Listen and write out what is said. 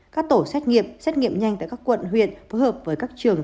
các tổ xét nghiệm xét nghiệm nhanh tại các quận huyện phối hợp với các trường